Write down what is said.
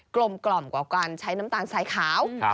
กลมกว่าการใช้น้ำตาลสายขาว